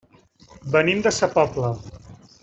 Venim de sa Pobla.